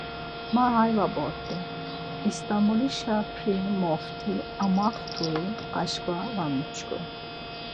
Ma hay va vort̆i, İst̆anbolişa p̌ri moft̆i amaxt̆ui aşǩva va mişǩun.